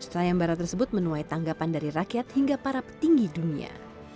sayembara tersebut menuai tanggapan dari rakyat hingga para petinggi dunia